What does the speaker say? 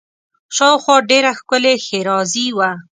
شاوخوا ډېره ښکلې ښېرازي وه.